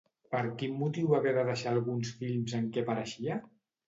Per quin motiu va haver de deixar alguns films en què apareixia?